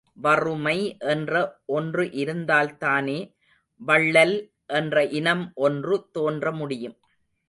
வறுமை என்ற ஒன்று இருந்தால்தானே வள்ளல் என்ற இனம் ஒன்று தோன்றமுடியும்.